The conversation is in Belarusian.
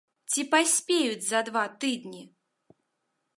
Ці паспеюць за два тыдні?